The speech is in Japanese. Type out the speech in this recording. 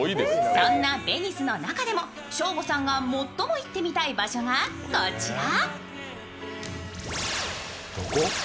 そんなベニスの中でもショーゴさんが最も行ってみたい場所がこちら。